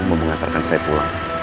memengantarkan saya pulang